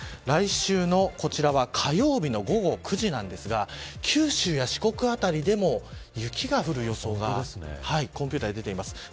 来週の、こちらは火曜日の午後９時なんですが九州や四国辺りでも雪が降る予想がコンピューターで出ています。